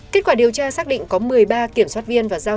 kết quả điều tra xác định có một mươi ba kiểm soát viên và giao dịch viên